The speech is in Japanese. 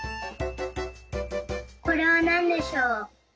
これはなんでしょう。